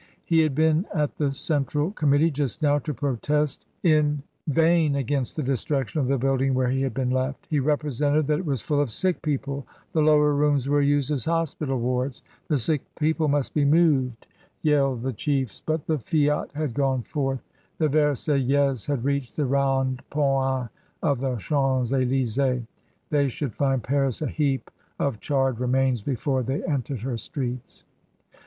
He had been r the Central Committee just now to protest in vi.' against the destruction of the building where had been left. He represented that it was full •: sick people; the lower rooms were used as hospiti wards. The sick people must be moved," yelled CARON. 279 the chiefs; but the fiat had gone forth. The Ver saillais had reached the Rondpoint of the Champ Ely sees; they should find Paris a heap of charred remains before they entered her streets.